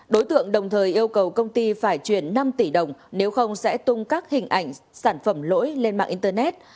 đối tượng đồng thời yêu cầu công ty phải chuyển năm tỷ đồng nếu không sẽ tung các hình ảnh sản phẩm lỗi lên mạng internet